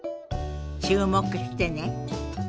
注目してね。